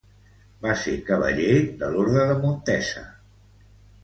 Va ser cavaller de l'Orde de Montesa.